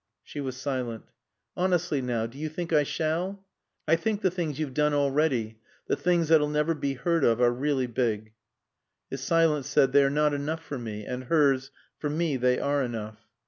She was silent. "Honestly now, do you think I shall?" "I think the things you've done already, the things that'll never be heard of, are really big." His silence said, "They are not enough for me," and hers, "For me they are enough."